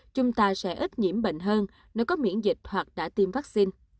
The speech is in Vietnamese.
chúng ta sẽ ít nhiễm bệnh hơn nếu có miễn dịch hoặc đã tiêm vaccine